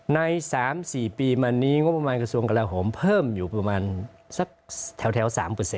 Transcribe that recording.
ใน๓๔ปีมานี้งบประมาณกระทรวงกลาโหมเพิ่มอยู่ประมาณสักแถว๓